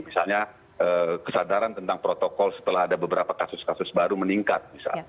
misalnya kesadaran tentang protokol setelah ada beberapa kasus kasus baru meningkat